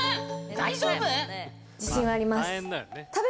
大丈夫？